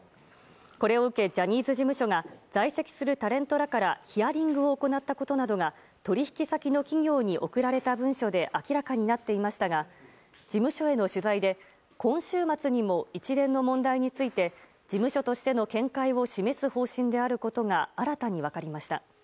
これを受け、ジャニーズ事務所が在籍するタレントらからヒアリングを行ったことなどが取引先の企業に送られた文書で明らかになっていましたが事務所への取材で今週末にも一連の問題について事務所としての見解を示す方針であることが新たに分かりました。